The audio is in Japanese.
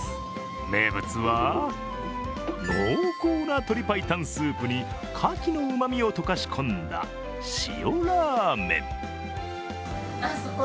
名物は、濃厚な鶏白湯スープにかきのうまみを溶かし込んだしおらーめん。